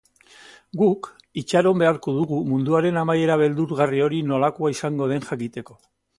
Guk, itxaron beharko dugu munduaren amaiera beldurgarri hori nolakoa izango den jakiteko.